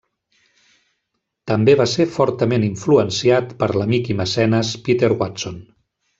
També va ser fortament influenciat per l'amic i mecenes Peter Watson.